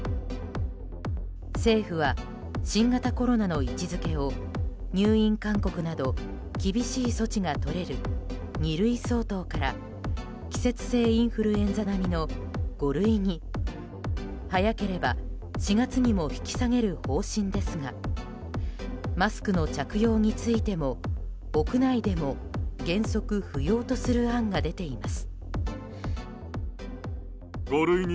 政府は、新型コロナの位置づけを入院勧告など厳しい措置がとれる二類相当から季節性インフルエンザ並みの五類に早ければ４月にも引き下げる方針ですがマスクの着用についても屋内でも原則不要とする案が出ています。